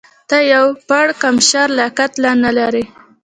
ته د یو پړکمشر لیاقت لا نه لرې.